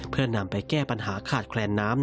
เพื่อนำไปแก้ปัญหาขาดแคลนน้ำ